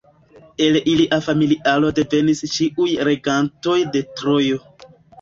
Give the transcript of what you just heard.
El ilia familiaro devenis ĉiuj regantoj de Trojo.